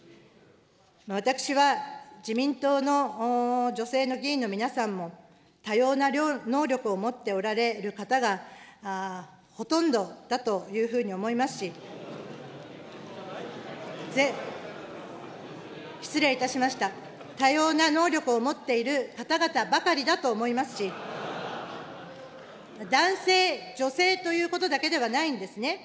私は自民党の女性の議員の皆さんも多様な能力を持っておられる方がほとんどだというふうに思いますし、失礼いたしました、多様な能力を持っておられる方々ばかりだと思いますし、男性、女性ということだけではないんですね。